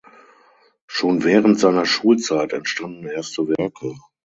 Schon während seiner Schulzeit entstanden erste Werke.